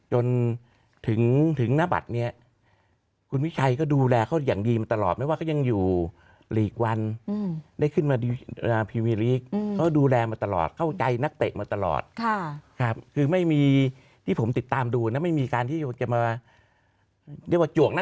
หรือเลี้ยงพิซซ่านี้กันจนแฟนบอลทีมอื่นเนี่ยเค้ารู้สึกว่าอิจฉานะ